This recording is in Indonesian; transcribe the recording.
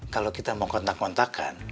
kalau kita mau kontak kontakkan